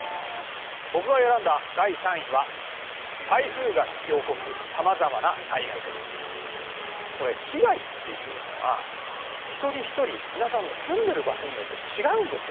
僕が選んだ第３位はこれ被害っていうのは一人一人皆さんの住んでる場所によって違うんですよ